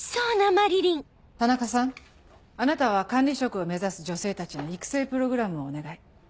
田中さんあなたは管理職を目指す女性たちの育成プログラムをお願い。